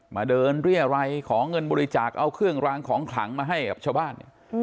มาเดินเรียรัยขอเงินบริจาคเอาเครื่องรางของขลังมาให้กับชาวบ้าน